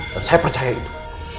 dan saya percaya itu